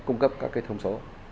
cung cấp các thông số